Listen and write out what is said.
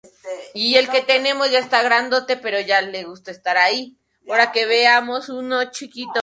El caso en que el inculpado ser acusado por el clamor público.